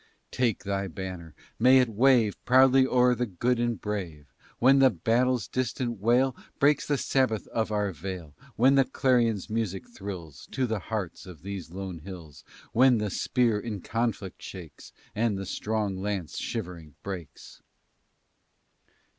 "Take thy banner! May it wave Proudly o'er the good and brave; When the battle's distant wail Breaks the sabbath of our vale, When the clarion's music thrills To the hearts of these lone hills, When the spear in conflict shakes, And the strong lance shivering breaks.